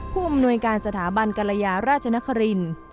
ผู้อำนวยการสถาบันกรยาราชนครินทร์